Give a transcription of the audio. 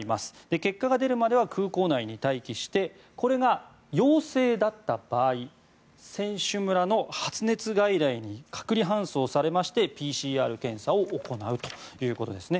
結果が出るまでは空港内に待機してこれが陽性だった場合選手村の発熱外来に隔離搬送されましてＰＣＲ検査を行うということですね。